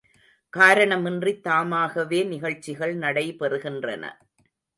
காரணமின்றித் தாமாகவே நிகழ்ச்சிகள் நடைபெறுகின்றன.